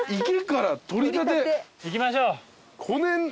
「池から取りたて」いきましょう！